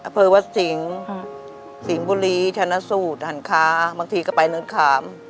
เพราะว่าสิงสิงบุรีชนะสูตรหันคาบางทีก็ไปเนิดขาม